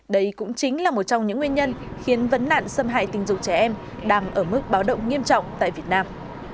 đây cũng chính là một trong những nguyên nhân khiến vấn nạn xâm hại tình dục trẻ em đang ở mức báo động nghiêm trọng tại việt nam